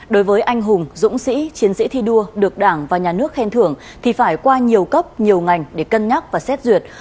đối với anh hùng dũng sĩ chiến sĩ thi đua được đảng và nhà nước khen thưởng thì phải qua nhiều cấp nhiều ngành để cân nhắc và xét duyệt